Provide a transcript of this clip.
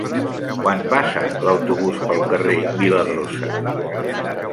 Quan passa l'autobús pel carrer Viladrosa?